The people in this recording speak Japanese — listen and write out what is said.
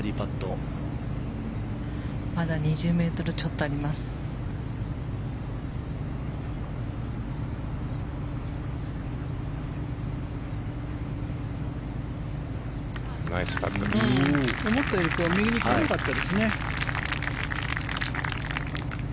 思ったより右に行かなかったですね。